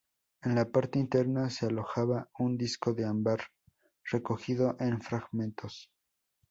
En la parte interna se alojaba un disco de ámbar, recogido en fragmentos.